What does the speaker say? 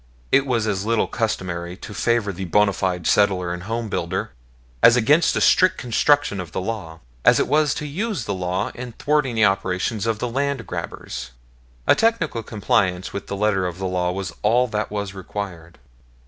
It was as little customary to favor the bona fide settler and home builder, as against the strict construction of the law, as it was to use the law in thwarting the operations of the land grabbers. A technical compliance with the letter of the law was all that was required.